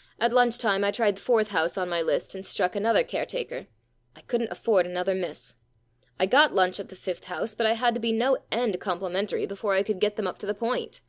* At lunch time I tried the fourth house on my list and struck another caretaker. I couldn't afford another miss. I got lunch at the fifth house, but I had to be no end com plimentary before I could get them up to the point.